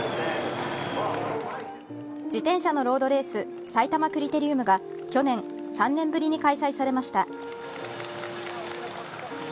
自転車のロードレースさいたまクリテリウムが去年、３年ぶりに開催されました。